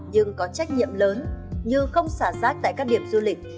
nhưng có trách nhiệm lớn như không xả rác tại các điểm du lịch